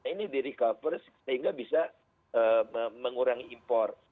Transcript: ini direcover sehingga bisa mengurangi impor